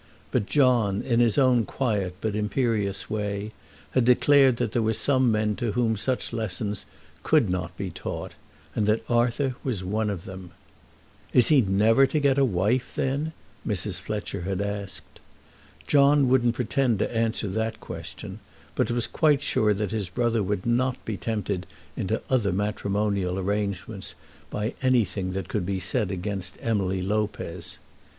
But John in his own quiet but imperious way, had declared that there were some men to whom such lessons could not be taught, and that Arthur was one of them. "Is he never to get a wife, then?" Mrs. Fletcher had asked. John wouldn't pretend to answer that question, but was quite sure that his brother would not be tempted into other matrimonial arrangements by anything that could be said against Emily Lopez.